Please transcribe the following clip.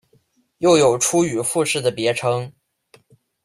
又有出羽富士的别称。